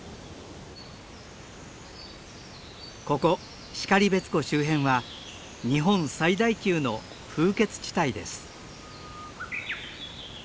ここ然別湖周辺は日本最大級の風穴地帯です。